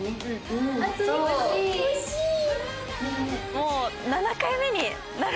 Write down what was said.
もう。